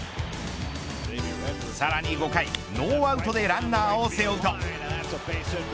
さらに５回ノーアウトでランナーを背負うと。